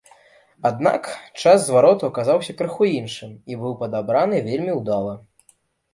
Аднак час звароту аказаўся крыху іншым і быў падабраны вельмі ўдала.